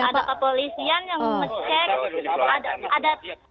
ada kepolisian yang mecek